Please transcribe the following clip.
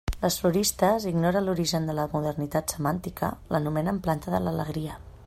Les floristes —ignore l'origen de la modernitat semàntica— l'anomenen planta de l'alegria.